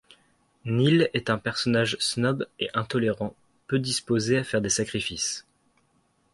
Niles est un personnage snob et intolérant, peu disposé à faire des sacrifices.